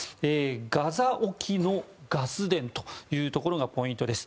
ガザ沖のガス田というところがポイントです。